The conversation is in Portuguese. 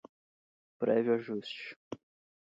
prévio ajuste